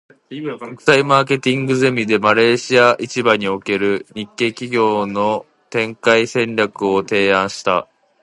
国際マーケティングゼミで、マレーシア市場における日系企業の展開戦略を提案した。